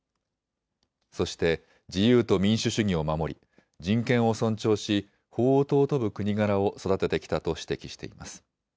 そして自由と民主主義を守り人権を尊重し法を貴ぶ国柄を育ててきたと指摘しています。